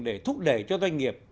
để thúc đẩy cho doanh nghiệp